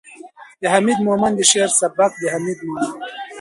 ، د حميد مومند د شعر سبک ،د حميد مومند